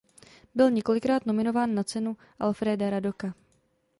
Byl několikrát nominován na Cenu Alfréda Radoka.